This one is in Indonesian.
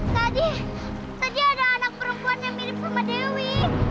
tadi tadi ada anak perempuan yang mirip sama dewi